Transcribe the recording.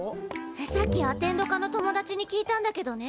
さっきアテンド科の友達に聞いたんだけどね